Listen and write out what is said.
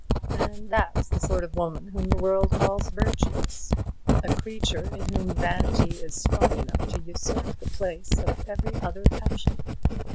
And that's the sort of woman whom the world calls virtuous, a creature in whom vanity is strong enough to usurp the place of every other passion.